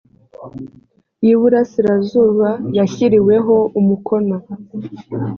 y iburasirazuba yashyiriweho umukono